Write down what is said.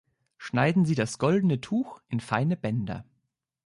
Schneiden Sie das goldene Tuch in feine Bänder.